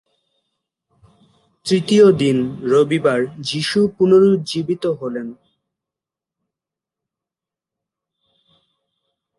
তৃতীয় দিন, রবিবার, যিশু পুনরুজ্জীবিত হলেন।